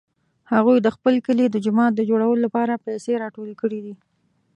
هغوی د خپل کلي د جومات د جوړولو لپاره پیسې راټولې کړې دي